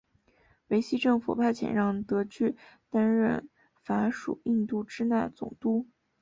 维希政府派遣让德句担任法属印度支那总督。